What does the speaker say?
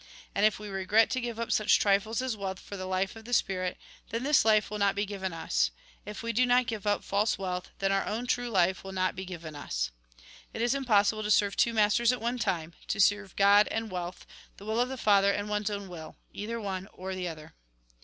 And if we regret to give up such trifles as wealth for the life of the spirit, then this life will not be given us. If we do not give up false wealth, then our own true life will not be given us. " It is impossible to serve two masters at one time ; to serve God and Wealth, the will of the Father, and one's own will. Either one or the other."